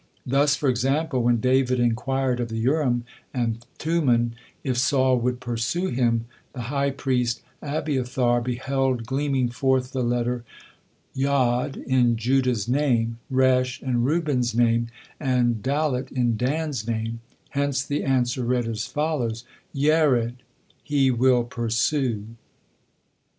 Thus, for example, when David inquired of the Urim and Tummim if Saul would pursue him, the high priest Abiathar beheld gleaming forth the letter Yod in Judah's name, Resh in Reuben's name, and Dalet in Dan's name, hence the answer read as follows: Yered, "He will pursue."